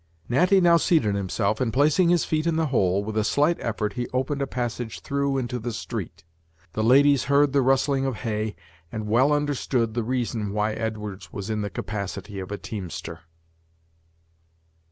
Natty now seated himself, and placing his feet in the hole, with a slight effort he opened a passage through into the street. The ladies heard the rustling of hay, and well understood the reason why Edwards was in the capacity of a teamster.